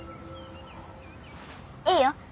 いいよ。